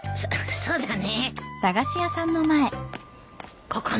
そうだね。